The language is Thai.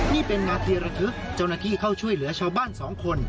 นี่เป็นนาทีระทึกเจ้าหน้าที่เข้าช่วยเหลือชาวบ้าน๒คน